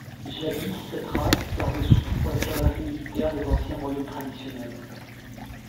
Jadis, cette race servait surtout pour la cavalerie militaire des anciens royaumes traditionnels.